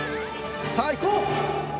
さあいこう！」。